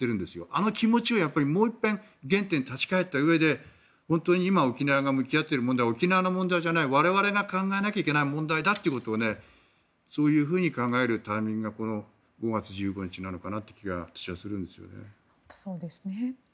あの気持ちをもう一度原点に立ち返ったうえで本当に今沖縄が向き合っている問題は沖縄の問題じゃない我々が考えなきゃいけない問題だということを考えるタイミングが５月１５日なのかなという気がするんですよね。